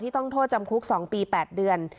ต้องโทษจำคุก๒ปี๘เดือน